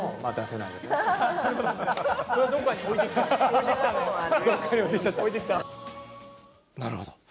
なるほど。